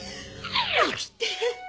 起きて。